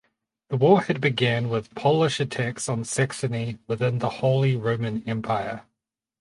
The war had begun with Polish attacks on Saxony within the Holy Roman Empire.